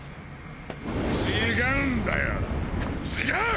違うんだよ違う！